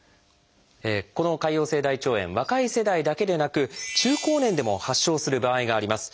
この潰瘍性大腸炎若い世代だけでなく中高年でも発症する場合があります。